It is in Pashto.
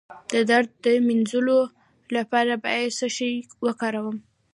د درد د مینځلو لپاره باید څه شی وکاروم؟